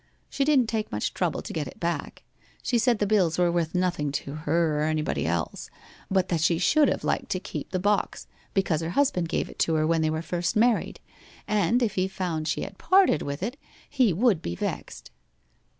She didn't take much trouble to get it back she said the bills were worth nothing to her or anybody else, but that she should have liked to keep the box because her husband gave it her when they were first married, and if he found she had parted with it, he would be vexed.